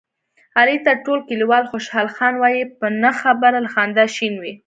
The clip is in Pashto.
علي ته ټول کلیوال خوشحال خان وایي، په نه خبره له خندا شین وي.